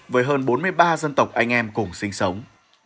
với hơn bốn mươi ba dân tộc anh em cùng sinh sống